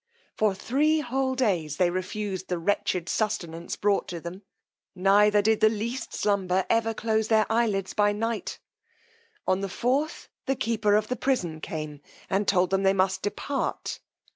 For three whole days they refused the wretched sustenance brought to them; neither did the least slumber ever close their eyelids by night: on the fourth the keeper of the prison came, and told them they must depart.